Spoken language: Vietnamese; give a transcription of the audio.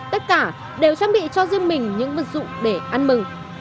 tất cả đều trang bị cho riêng mình những vật dụng để ăn mừng